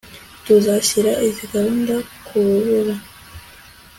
Tuzashyira iyi gahunda kurubura